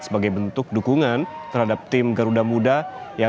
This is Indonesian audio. nobar diperbolehkan dengan tidak dikomersialkan